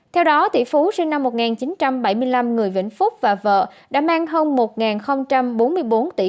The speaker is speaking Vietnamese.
theo đó tỷ phú sinh năm một nghìn chín trăm bảy mươi năm người vĩnh phúc và vợ đã mang hơn một bốn mươi bốn tỷ usd